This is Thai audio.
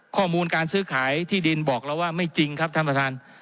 ข้อมูลการซื้อขายที่ดินบอกแล้วว่าไม่จริงครับท่านประธาน